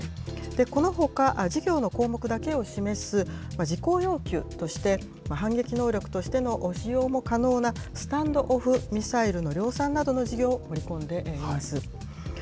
このほか、事業の項目だけを示す事項要求として、反撃能力としての使用も可能な、スタンド・オフ・ミサイルの量産などの事業を盛り込んでいます。